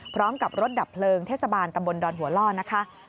พร้อมกับรถดับเพลิงเทศบาลตำบลดอนหัวล่อนะคะ